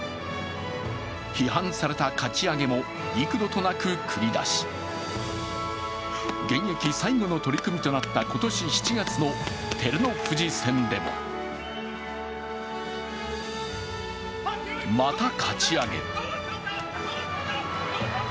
批判されたかち上げも幾度となく繰り出し、現役最後の取組となった今年７月の照ノ富士戦でもまた、かち上げ。